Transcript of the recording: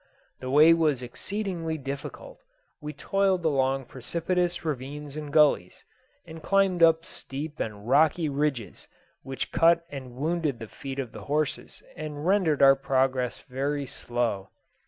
The way was exceedingly difficult. We toiled along precipitous ravines and gullies, and climbed up steep and rocky ridges, which cut and wounded the feet of the horses, and rendered our progress very slow.